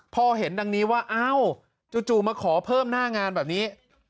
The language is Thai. พอเห็นดังนี้ว่าอ้าวจู่มาขอเพิ่มหน้างานแบบนี้